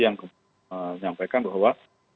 yang menyampaikan bahwa